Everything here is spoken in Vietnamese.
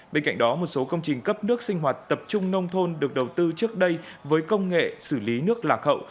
bên cạnh đó một số công trình cấp nước sinh hoạt tập trung nông thôn được đầu tư trước đây với công nghệ xử lý nước lạc hậu